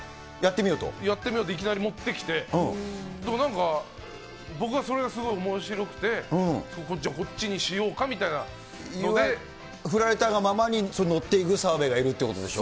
やってみようといきなり持ってきて、でもなんか、僕はそれがすごくおもしろくて、じゃあこっちにしようかみたいな振られたがままに、乗っていく澤部がいるってわけでしょ。